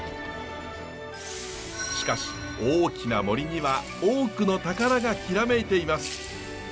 しかし大きな森には多くの宝がきらめいています。